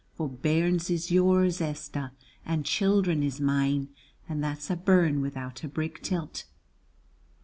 For bairns is yours, Esther, and children is mine, and that's a burn without a brig till't.